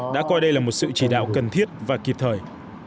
đã coi đây là một sự chỉ đạo cần thiết và kịp thời